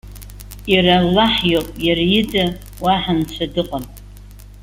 Иара Аллаҳ иоуп, иара ида уаҳа нцәа дыҟам.